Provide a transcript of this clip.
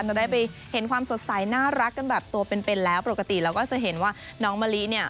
จะได้ไปเห็นความสดใสน่ารักกันแบบตัวเป็นเป็นแล้วปกติเราก็จะเห็นว่าน้องมะลิเนี่ย